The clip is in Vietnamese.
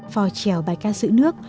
phò trèo bài ca sĩ nước